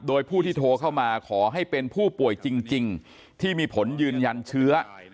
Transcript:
โดยผู้ที่โทรเข้ามาขอให้เป็นผู้ป่วยจริงที่มีผลยืนยันเชื้อ